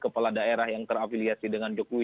kepala daerah yang terafiliasi dengan jokowi